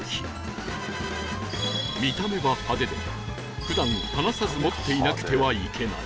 見た目は派手で普段離さず持っていなくてはいけない